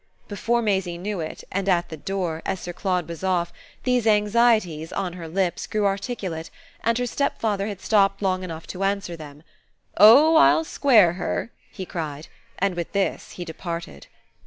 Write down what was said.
Before Maisie knew it, and at the door, as Sir Claude was off, these anxieties, on her lips, grew articulate and her stepfather had stopped long enough to answer them. "Oh I'll square her!" he cried; and with this he departed.